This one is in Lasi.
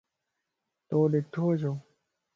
تو ڏڻھوَ ڇو؟